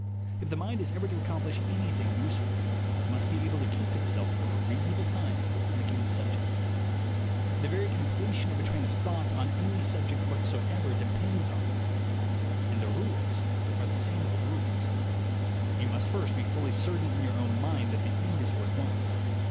If the mind is ever to accomplish anything useful, it must be able to keep itself for a reasonable time on a given subject. The very completion of a train of thought on any subject whatsoever depends upon it. And the rules are the same old rules. You must first be fully certain in your own mind that the end is worth while.